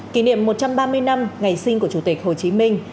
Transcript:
kỷ niệm một trăm ba mươi năm ngày sinh của chủ tịch hồ chí minh